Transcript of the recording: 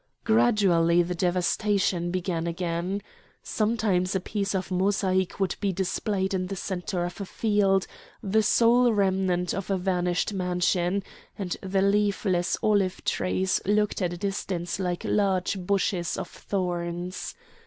Gradually the devastation began again. Sometimes a piece of mosaic would be displayed in the centre of a field, the sole remnant of a vanished mansion; and the leafless olive trees looked at a distance like large bushes of thorns.